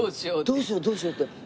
「どうしようどうしよう」って。